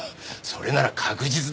それなら確実だと。